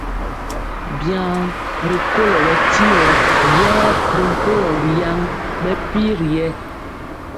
Biaŋ rikolo bɛ tyigɔ yɛɛ ri mpogɔ yaŋ bɛ pir yɛ.